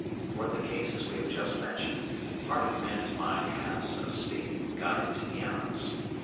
For in the cases we have just mentioned, part of man's mind has, so to speak, got into the animal's.